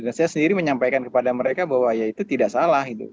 dan saya sendiri menyampaikan kepada mereka bahwa ya itu tidak salah gitu